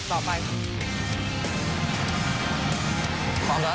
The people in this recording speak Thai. ก็ต้องมีคำนวณต่อไป